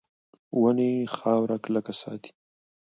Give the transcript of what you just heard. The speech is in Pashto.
ونې خاوره کلکه ساتي.